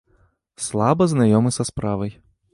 Слаба знаёмы са справай.